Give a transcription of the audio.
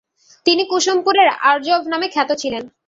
তিনি কুসুমপুরের আর্যভ নামে খ্যাত ছিলেন।